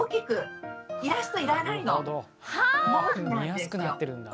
見やすくなってるんだ。